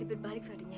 mau lari dari kita gita